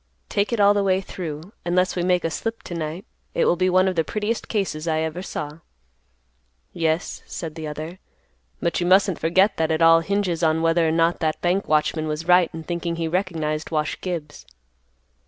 Take it all the way through, unless we make a slip to night, it will be one of the prettiest cases I ever saw." "Yes," said the other; "but you mustn't forget that it all hinges on whether or not that bank watchman was right in thinking he recognized Wash Gibbs."